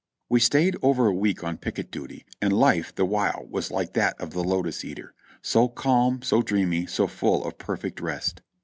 We stayed over a week on picket duty, and life the while was like that of the lotus eater : so calm, so dreamy, so full of perfect rest.